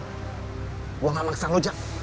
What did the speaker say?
gua gak maksang lu jack